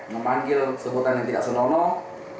memanggil sebutan yang tidak senonoh